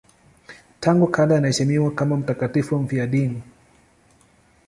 Tangu kale anaheshimiwa kama mtakatifu mfiadini.